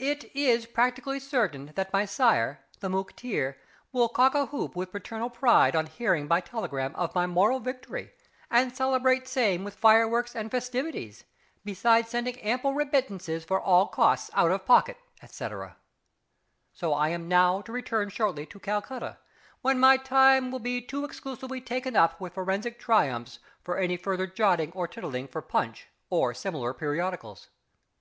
It is practically certain that my sire, the Mooktear, will cockahoop with paternal pride on hearing by telegram of my moral victory, and celebrate same with fireworks and festivities, besides sending ample remittances for all costs out of pocket, &c. So I am now to return shortly to Calcutta, when my time will be too exclusively taken up with forensic triumphs for any further jotting or tittling for Punch, or similar periodicals.